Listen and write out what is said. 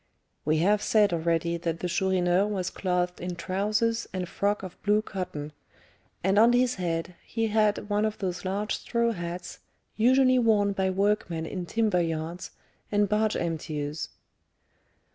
We have said already that the Chourineur was clothed in trousers and frock of blue cotton, and on his head he had one of those large straw hats usually worn by workmen in timber yards, and barge emptiers.